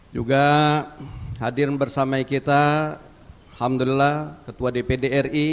juga hadir bersama kita alhamdulillah ketua dpd ri